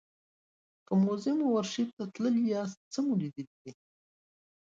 که موزیم او ارشیف ته تللي یاست څه مو لیدلي دي.